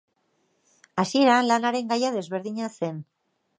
Hasieran lanaren gaia desberdina zen.